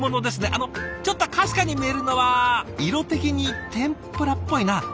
あのちょっとかすかに見えるのは色的に天ぷらっぽいな。